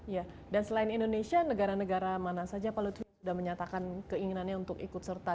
ya dan selain indonesia negara negara mana saja pak lutfi sudah menyatakan keinginannya untuk ikut serta